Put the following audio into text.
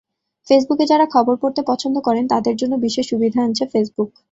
ফেসবুকে যাঁরা খবর পড়তে পছন্দ করেন, তাঁদের জন্য বিশেষ সুবিধা আনছে ফেসবুক।